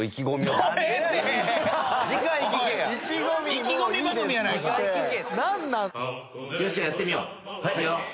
よしじゃあやってみよう。